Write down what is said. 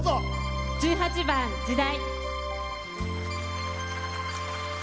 １８番「時代」。